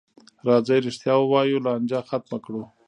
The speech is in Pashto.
راځئ رښتیا ووایو، لانجه ختمه کړو.